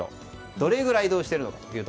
どれぐらい移動しているのか。